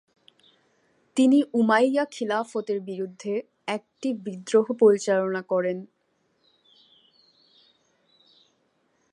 তিনি উমাইয়া খিলাফতের বিরুদ্ধে একটি বিদ্রোহ পরিচালনা করেন।